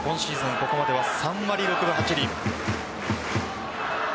ここまで３割６分８厘。